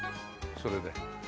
それで。